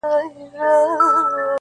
جوړه انګورو څه پیاله ستایمه,